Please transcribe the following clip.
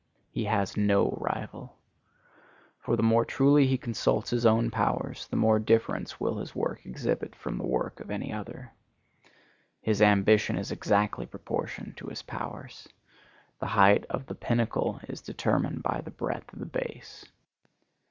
He has no rival. For the more truly he consults his own powers, the more difference will his work exhibit from the work of any other. His ambition is exactly proportioned to his powers. The height of the pinnacle is determined by the breadth of the base.